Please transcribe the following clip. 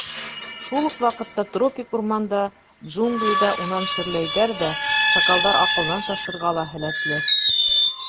Шул уҡ ваҡытта тропик урманда, джунглиҙа, унан шөрләйҙәр ҙә — шакалдар аҡылдан шашырға ла һәләтле.